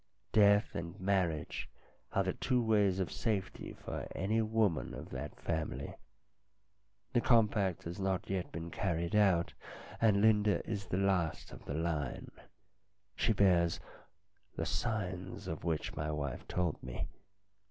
Death and marriage are the two ways of safety for any woman of that family. The com pact has not yet been carried out, and Linda is the last of the line. She bears the signs of which my wife told me.